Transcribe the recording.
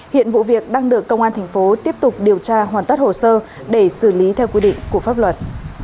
hiện vụ việc đang được công an thành phố tiếp tục điều tra hoàn tất hồ sơ để xử lý theo quy định của pháp luật